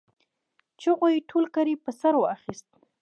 چيغو يې ټول کلی په سر واخيست.